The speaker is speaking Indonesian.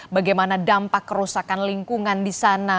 bagaimana dampak kerusakan lingkungan di sana